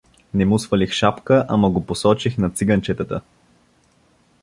— Не му свалих шапка, ама го посочих на циганчетата.